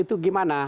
berhasil itu gimana